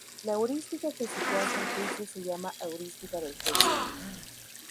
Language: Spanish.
La heurística que subyace al juicio se llama "heurística del juicio".